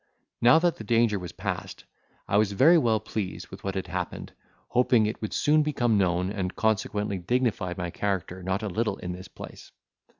Now that the danger was passed, I was very well pleased with what had happened, hoping that it would soon become known, and consequently dignify my character not a little in this place.